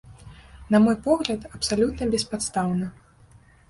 На мой погляд, абсалютна беспадстаўна.